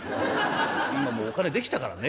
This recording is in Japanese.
今もうお金できたからね。